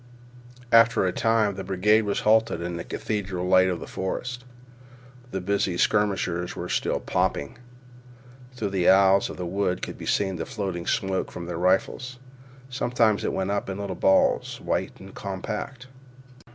After a time the brigade was halted in the cathedral light of a forest. The busy skirmishers were still popping. Through the aisles of the wood could be seen the floating smoke from their rifles. Sometimes it went up in little balls, white and compact.